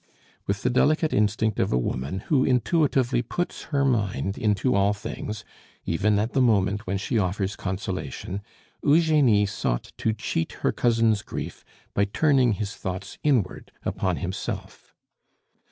With the delicate instinct of a woman who intuitively puts her mind into all things, even at the moment when she offers consolation, Eugenie sought to cheat her cousin's grief by turning his thoughts inward upon himself.